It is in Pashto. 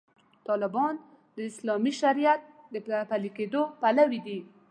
طالبان د اسلامي شریعت د پلي کېدو پلوي دي.